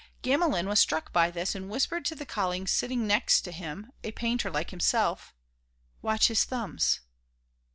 Gamelin was struck by this and whispered to the colleague sitting next him, a painter like himself: "Watch his thumbs!"